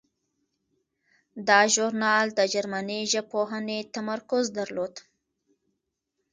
دا ژورنال د جرمني ژبپوهنې تمرکز درلود.